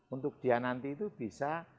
untuk dia nanti itu bisa